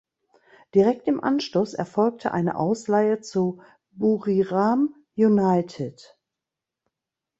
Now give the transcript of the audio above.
Direkt im Anschluss erfolgte eine Ausleihe zu Buriram United.